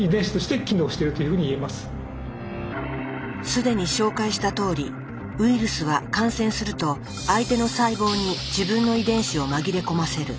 既に紹介したとおりウイルスは感染すると相手の細胞に自分の遺伝子を紛れ込ませる。